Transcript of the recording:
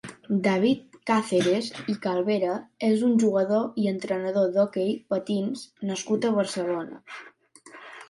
David Cáceres i Calvera és un jugador i entrenador d'hoquei patins nascut a Barcelona.